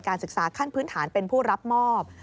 ศึกษาขั้นพื้นฐานเป็นผู้รับมอบ